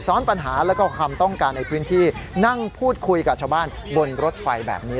ปัญหาแล้วก็ความต้องการในพื้นที่นั่งพูดคุยกับชาวบ้านบนรถไฟแบบนี้